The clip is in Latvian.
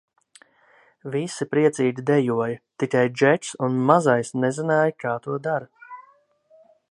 Visi priecīgi dejoja, tikai Džeks un Mazais nezināja kā to dara.